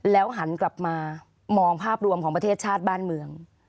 หันกลับมามองภาพรวมของประเทศชาติบ้านเมือง